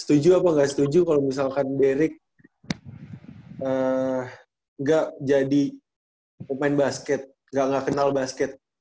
setuju apa gak setuju kalau misalkan derick gak jadi pemain basket gak kenal basket